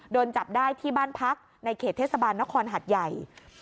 โดนจับได้ที่บ้านพักในเขตเทศบาลนครหัดใหญ่